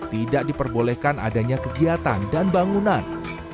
tidak diperbolehkan adanya kegiatan dan bangunan